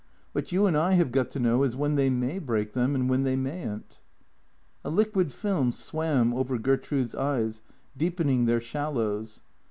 What you and I have got to know is when they may break them, and when they may n't." A liquid film swam over Gertrude's eyes, deepening their shallows.